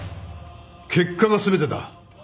結果が全てだ。